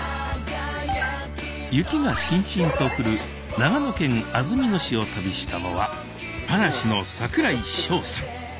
雪がしんしんと降る長野県安曇野市を旅したのは嵐の櫻井翔さん。